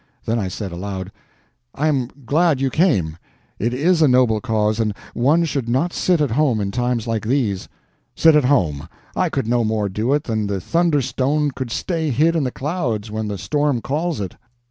Then I said aloud: "I am glad you came; it is a noble cause, and one should not sit at home in times like these." "Sit at home! I could no more do it than the thunderstone could stay hid in the clouds when the storm calls it."